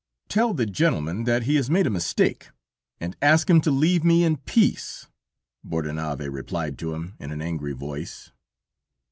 "Tell the gentleman that he has made a mistake, and ask him to leave me in peace," Bordenave replied to him in an angry voice.